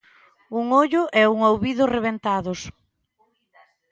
Un ollo e un ouvido rebentados.